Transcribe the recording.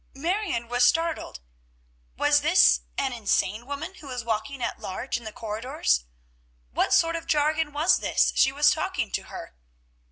Marion was startled. Was this an insane woman who was walking at large in the corridors? What sort of a jargon was this she was talking to her?